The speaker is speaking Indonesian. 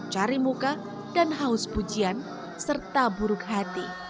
cari muka dan haus pujian serta buruk hati